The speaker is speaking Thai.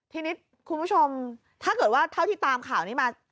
ทีนี้คุณผู้ชมถ้าเกิดว่าเท่าที่ตามข่าวนี้มา